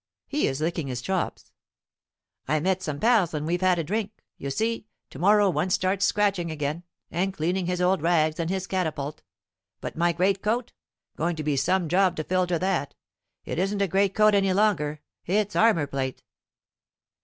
He is licking his chops: "I met some pals and we've had a drink. You see, to morrow one starts scratching again, and cleaning his old rags and his catapult. But my greatcoat! going to be some job to filter that! It isn't a greatcoat any longer it's armor plate."